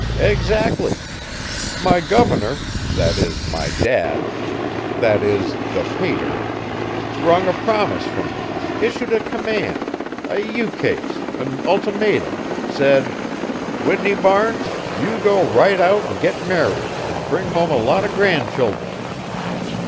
"Exactly! My governor that is, my dad that is, the pater wrung a promise from me, issued a command, a ukase, an ultimatum said: 'Whitney Barnes, you go right out and get married and bring home a lot of grand children.'